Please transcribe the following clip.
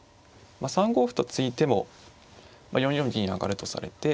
３五歩と突いても４四銀上とされて。